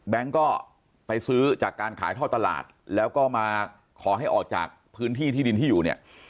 ก็ไปซื้อจากการขายท่อตลาดแล้วก็มาขอให้ออกจากพื้นที่ที่ดินที่อยู่เนี่ย